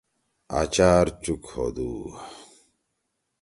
آچار چُک ہودُو۔